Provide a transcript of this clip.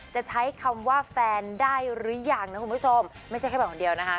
จะใช้คำว่าแฟนได้หรือยังนะคุณผู้ชมไม่ใช่แค่แบบคนเดียวนะคะ